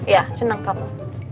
ya seneng kamu